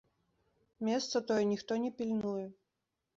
Месца тое ніхто не пільнуе.